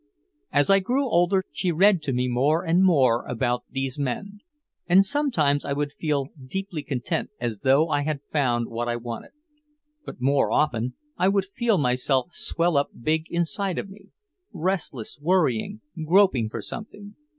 As I grew older she read to me more and more about these men. And sometimes I would feel deeply content as though I had found what I wanted. But more often I would feel myself swell up big inside of me, restless, worrying, groping for something.